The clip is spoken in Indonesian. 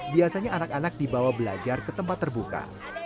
biasanya anak anak dibawa belajar ke tempat terbuka